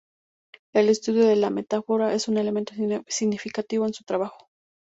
El estudio de la metáfora es un elemento significativo en su trabajo.